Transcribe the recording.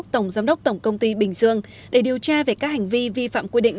tổng giám đốc tổng công ty bình dương để điều tra về các hành vi vi phạm quy định